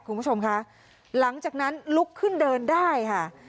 คุณผู้ชมคะหลังจากนั้นลุกขึ้นเดินได้ค่ะ